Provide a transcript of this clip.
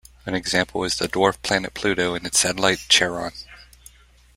An example is the dwarf planet Pluto and its satellite Charon.